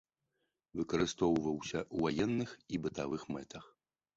Выкарыстоўваўся ў ваенных і бытавых мэтах.